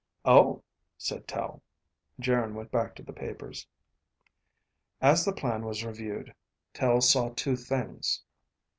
"Oh," said Tel. Geryn went back to the papers. As the plan was reviewed, Tel saw two things.